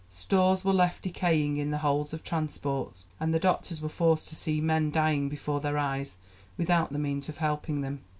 Stores were left decaying in the holds of transports, and the doctors were forced to see men dying before their eyes without the means of helping them.